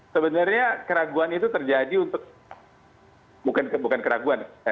sebenarnya keraguan itu terjadi untuk bukan keraguan